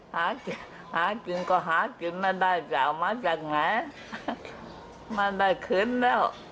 หาจริงหาจริงก็หาจริงมาได้จะเอามาจากไหนมาได้คืนแล้ว